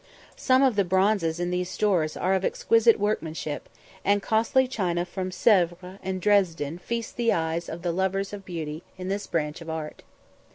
Some of the bronzes in these stores are of exquisite workmanship, and costly china from Sèvres and Dresden feasts the eyes of the lovers of beauty in this branch of art.